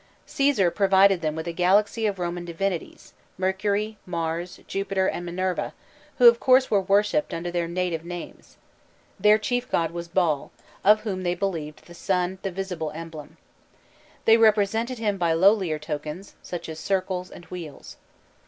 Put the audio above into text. Cæsar provides them with a galaxy of Roman divinities, Mercury, Mars, Jupiter, and Minerva, who of course were worshipped under their native names. Their chief god was Baal, of whom they believed the sun the visible emblem. They represented him by lowlier tokens, such as circles and wheels.